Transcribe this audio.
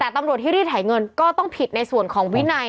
แต่ตำรวจที่รีดไถเงินก็ต้องผิดในส่วนของวินัย